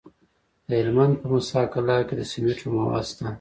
د هلمند په موسی قلعه کې د سمنټو مواد شته.